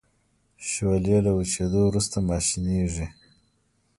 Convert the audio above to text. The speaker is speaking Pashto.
شولې له وچیدو وروسته ماشینیږي.